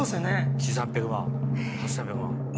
９８００万８８００万。